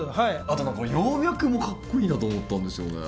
あと葉脈もかっこいいなと思ったんですよね。